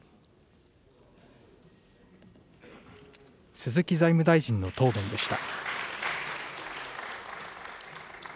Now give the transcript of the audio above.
鈴木財務大臣の答弁でした。